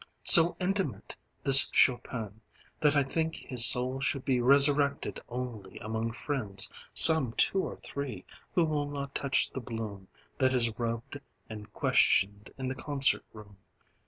"So intimate, this Chopin, that I think his soul Should be resurrected only among friends Some two or three, who will not touch the bloom That is rubbed and questioned in the concert room."